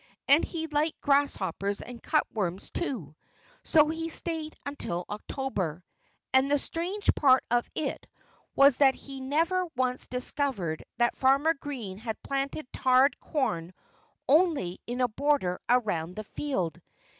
And he liked grasshoppers and cutworms, too. So he stayed until October. And the strange part of it was that he never once discovered that Farmer Green had planted tarred corn only in a border around the field.